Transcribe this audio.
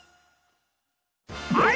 はい！